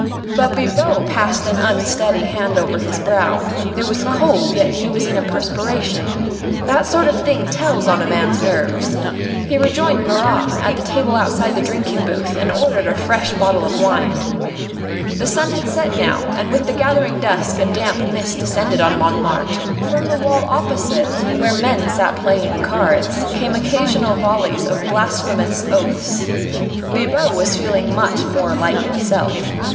But Bibot passed an unsteady hand over his brow. It was cold, yet he was in a perspiration. That sort of thing tells on a man's nerves. He rejoined Marat, at the table outside the drinking booth, and ordered a fresh bottle of wine. The sun had set now, and with the gathering dusk a damp mist descended on Montmartre. From the wall opposite, where the men sat playing cards, came occasional volleys of blasphemous oaths. Bibot was feeling much more like himself.